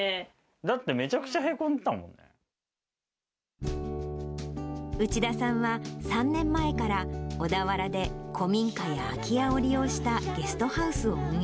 だって、内田さんは、３年前から小田原で古民家や空き家を利用したゲストハウスを運営